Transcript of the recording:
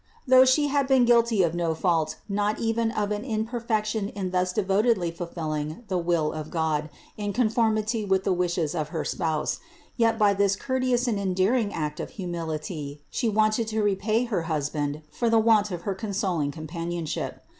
Though She had been guilty of no fault, not even of an imperfection in thus devotedly fulfilling the will of God in conformity with the wishes of her spouse, yet, by this courteous and endearing act of humility, She wanted to repay her husband for the want of her consoling companionship.